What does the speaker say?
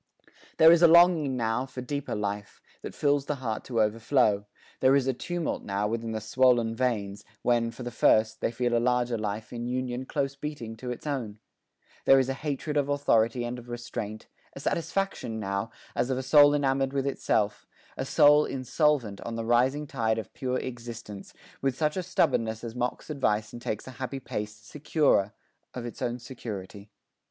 There is a longing now for deeper life That fills the heart to overflow there is A tumult now within the swollen veins, When, for the first, they feel a larger life In unison close beating to its own There is a hatred of authority And of restraint a satisfaction now As of a soul enamoured with itself, A soul insolvent on the rising tide Of pure existence, with such a stubborness As mocks advice and takes a happy pace, Securer of its own security.